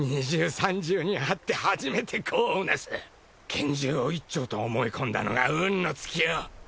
拳銃を一丁と思い込んだのが運の尽きよ。